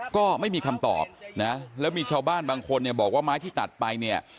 ก็ไม่มีคำตอบนะแล้วมีชาวบ้านบางคนเนี่ยบอกว่าไม้ที่ตัดไปเนี่ย